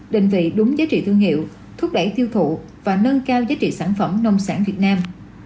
định vị đúng giá trị thương hiệu thúc đẩy tiêu thụ và nâng cao giá trị sản phẩm nông sản việt nam